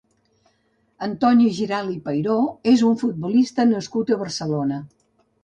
Antoni Giralt i Peiró és un futbolista nascut a Barcelona.